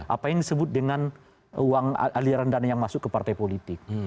apa yang disebut dengan uang aliran dana yang masuk ke partai politik